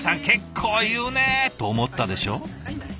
結構言うね！と思ったでしょ？